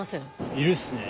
いるっすね。